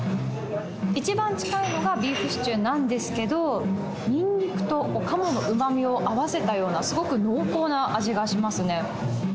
一番近いのがビーフシチューなんですけど、ニンニクとカモのうまみを合わせたような、すごく濃厚な味がしますね。